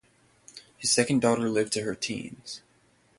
His second daughter lived to her teens.